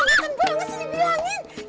loh lo gak sih dibilangin